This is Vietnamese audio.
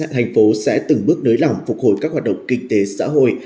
thành phố sẽ từng bước nới lỏng phục hồi các hoạt động kinh tế xã hội